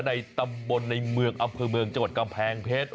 ในตำบลในเมืองอำเภอเมืองจังหวัดกำแพงเพชร